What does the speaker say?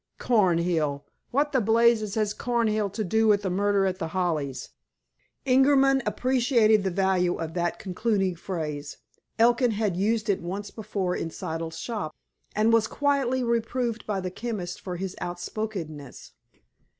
Cornhill! What the blazes has Cornhill to do with the murder at The Hollies?" Ingerman appreciated the value of that concluding phrase. Elkin had used it once before in Siddle's shop, and was quietly reproved by the chemist for his outspokenness.